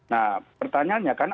nah pertanyaannya kan